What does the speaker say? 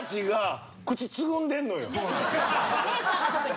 姉ちゃんが特に。